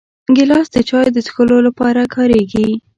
ګیلاس د چایو د څښلو لپاره کارېږي.